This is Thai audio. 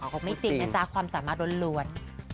บอกไม่จริงนะจ๊ะความสามารถล้วน